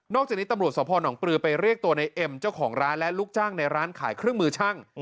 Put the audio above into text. จากนี้ตำรวจสภหนองปลือไปเรียกตัวในเอ็มเจ้าของร้านและลูกจ้างในร้านขายเครื่องมือช่าง